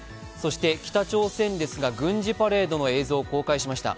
北朝鮮ですが、軍事パレードの映像を公開しました。